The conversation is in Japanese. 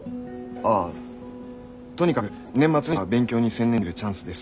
ああとにかく年末年始は勉強に専念できるチャンスです。